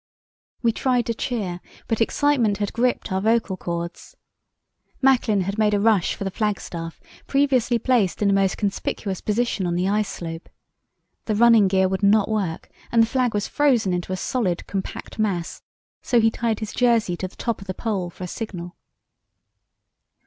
"We tried to cheer, but excitement had gripped our vocal chords. Macklin had made a rush for the flagstaff, previously placed in the most conspicuous position on the ice slope. The running gear would not work, and the flag was frozen into a solid, compact mass so he tied his jersey to the top of the pole for a signal.